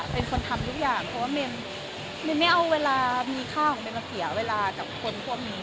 เป็นคนทำทุกอย่างเพราะว่าเมมไม่เอาเวลามีค่าของเมมมาเสียเวลากับคนพวกนี้